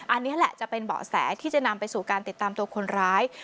อันนี้แหละจะเป็นเบาะแสที่จะนำไปสู่การติดตามตัวคนร้าย